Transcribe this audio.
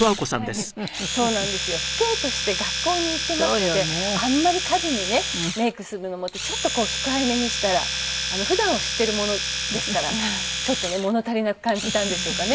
はいそうなんですよ。父兄として学校に行っていますのであんまり華美にねメイクするのもってちょっと控えめにしたら普段を知っているものですからちょっとね物足りなく感じたんでしょうかね